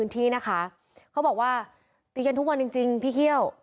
แต่ว่าตีกันทุกวันจริงพี่เคี่ยว